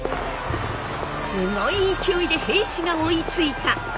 すごい勢いで平氏が追いついた！